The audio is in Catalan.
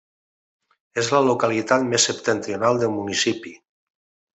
És la localitat més septentrional del municipi.